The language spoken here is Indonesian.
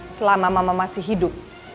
selama mama masih hidup